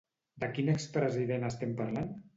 De quin expresident estem parlant?